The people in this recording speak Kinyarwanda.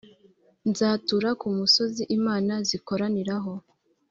nzature ku musozi imana zikoraniraho,